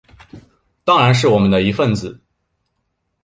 当然是我们的一分子